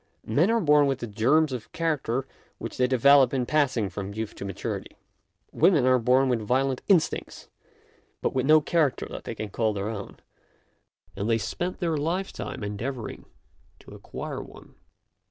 Men are born with the germs of character which they develop in passing from youth to maturity. Women are born with violent instincts, but with no character that they can call their own, and they spend their lifetime in endeavouring to acquire one.